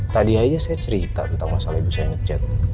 tadi aja saya cerita tentang masalah ibu saya ngecet